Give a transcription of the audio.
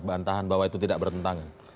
bantahan bahwa itu tidak bertentangan